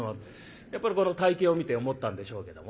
やっぱりこの体形を見て思ったんでしょうけどもね。